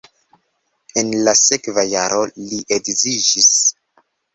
En la sekva jaro li edziĝis.